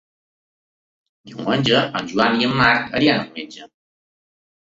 Diumenge en Joan i en Marc aniran al metge.